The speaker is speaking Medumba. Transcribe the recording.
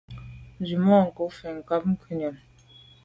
Tswemanko fo nkàb ngùyàm.